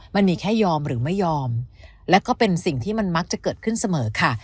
มันมีแค่ยอมหรือไม่ยอมและก็เป็นสิ่งที่มันมักจะเกิดขึ้นเสมอค่ะ